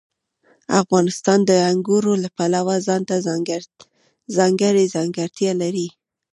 افغانستان د انګورو له پلوه ځانته ځانګړې ځانګړتیا لري.